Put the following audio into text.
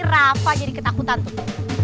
rafa jadi ketakutan tuh